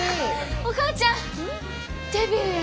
お母ちゃんデビューや。